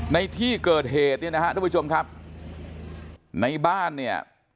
ในที่เกิดเหตุเนี่ยนะฮะทุกผู้ชมครับในบ้านเนี่ย